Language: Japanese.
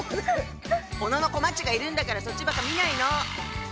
小野こまっちがいるんだからそっちばっか見ないの！